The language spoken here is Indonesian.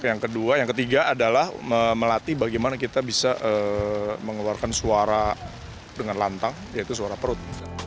yang kedua yang ketiga adalah melatih bagaimana kita bisa mengeluarkan suara dengan lantang yaitu suara perut